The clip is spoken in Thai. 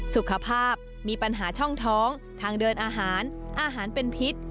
สุขภาพมีปัญหาช่องท้องทางเดินอาหารอาหารเป็นพิษ